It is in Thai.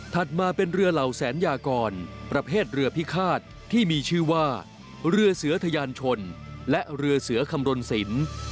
มาเป็นเรือเหล่าแสนยากรประเภทเรือพิฆาตที่มีชื่อว่าเรือเสือทะยานชนและเรือเสือคำรณสิน